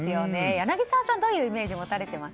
柳澤さん、どういうイメージ持たれています？